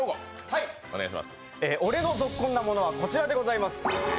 俺のゾッコンなものはこちらでございます。